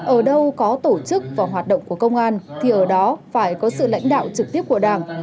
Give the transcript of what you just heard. ở đâu có tổ chức và hoạt động của công an thì ở đó phải có sự lãnh đạo trực tiếp của đảng